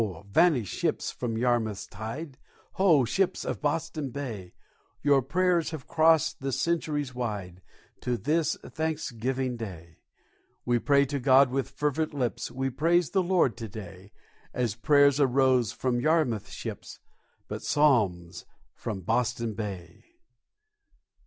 vanished ships from Yarmouth's tide, Ho! ships of Boston Bay, Your prayers have crossed the centuries wide To this Thanksgiving Day! We pray to God with fervent lips, We praise the Lord to day, As prayers arose from Yarmouth ships, But psalms from Boston Bay.